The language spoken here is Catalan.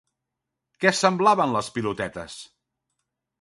Què semblaven les pilotetes?